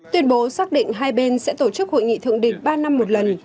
tuyên bố xác định hai bên sẽ tổ chức hội nghị thượng đỉnh ba năm một lần